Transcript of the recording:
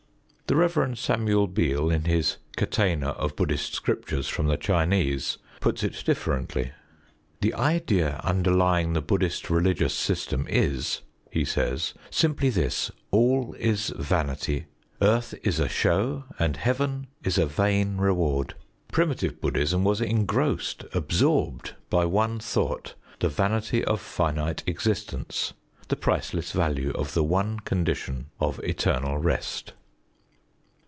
The Rev. Samuel Beal, in his Catena of Bud╠Żd╠Żhist Scriptures from the Chinese puts it differently. "The idea underlying the Buddhist religious system is," he says, "simply this: 'all is vanity'. Earth is a show, and Heaven is a vain reward." Primitive Bud╠Żd╠Żhism was engrossed, absorbed, by one thought the vanity of finite existence, the priceless value of the one condition of Eternal Rest.